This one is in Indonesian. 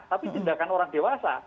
tapi tindakan orang dewasa